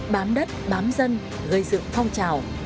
bám đất bám dân gây sự phong trào